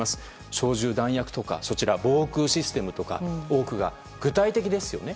小銃・弾薬など防空システムとか、多くが具体的ですよね。